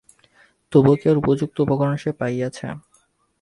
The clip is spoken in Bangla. তবুও কি আর উপযুক্ত উপকরণ সে পাইয়াছে?